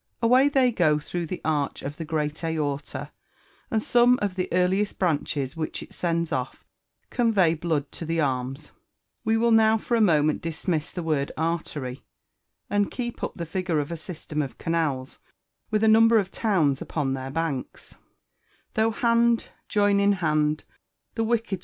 Away they go through the arch of the great aorta, and some of the earliest branches which it sends off convey blood to the arms. We will now for a moment dismiss the word artery, and keep up the figure of a system of canals, with a number of towns upon their banks.